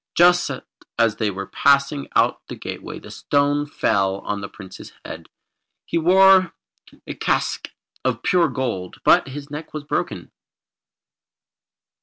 Just as they were passing out of the gateway the stone fell on to the Prince's head. He wore a casque of pure gold, but his neck was broken.